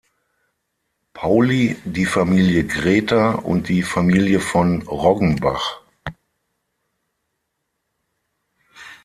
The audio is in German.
Pauli, die Familie Grether und die Familie von Roggenbach.